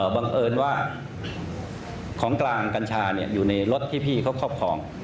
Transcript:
บังเอิญว่าของกลางกัญชาอยู่ในรถที่พี่เขาครอบครอง